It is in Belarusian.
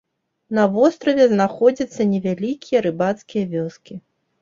На востраве знаходзяцца невялікія рыбацкія вёскі.